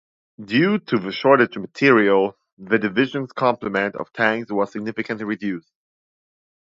Due to the shortage in materiel, the division's complement of tanks was significantly reduced.